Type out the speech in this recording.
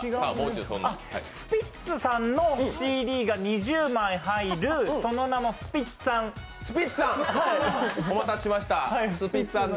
スピッツさんのＣＤが２０枚入る、その名もスピッツァン。